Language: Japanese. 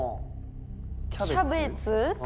キャベツ。